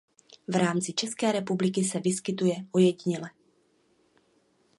V rámci České republiky se vyskytuje ojediněle.